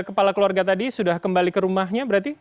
kepala keluarga tadi sudah kembali ke rumahnya berarti